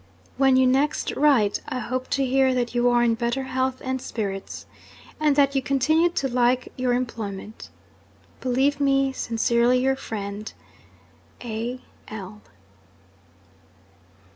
'When you next write, I hope to hear that you are in better health and spirits, and that you continue to like your employment. Believe me, sincerely your friend, A. L.'